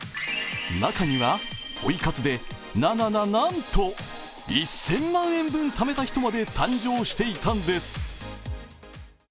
中には、ポイ活でな、な、な、なんと１０００万円分ためた人まで誕生していたんです。